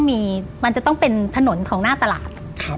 มันจะต้องเป็นถนนของหน้าตลาด